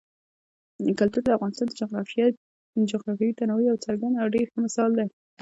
کلتور د افغانستان د جغرافیوي تنوع یو څرګند او ډېر ښه مثال دی.